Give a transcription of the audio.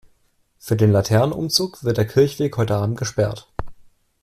Für den Laternenumzug wird der Kirchweg heute Abend gesperrt.